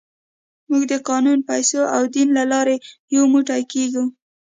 موږ د قانون، پیسو او دین له لارې یو موټی کېږو.